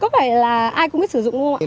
có vẻ là ai cũng biết sử dụng đúng không ạ